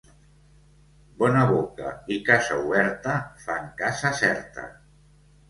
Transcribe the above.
Bona boca i casa oberta fan casa certa.